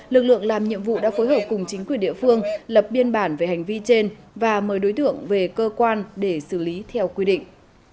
lực lượng làm nhiệm vụ đã phối hợp cùng chính quyền địa phương lập biên bản về hành vi trên và mời đối tượng về cơ quan để xử lý theo quy định